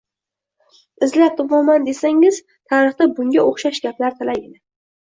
Izlab topaman desangiz, tarixda bunga o‘xshash gaplar talaygina